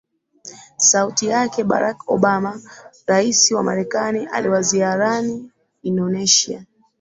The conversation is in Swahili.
sauti yake barrack obama rais wa marekani akiwaziarani indonesia